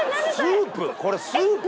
スープ！